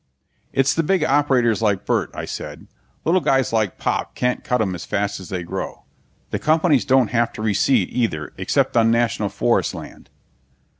"It's the big operators like Burt," I said. "Little guys like Pop can't cut 'em as fast as they grow. The companies don't have to reseed, either, except on National Forest land."